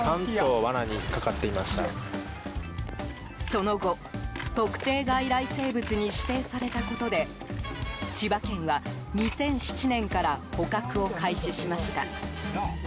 その後、特定外来生物に指定されたことで千葉県は２００７年から捕獲を開始しました。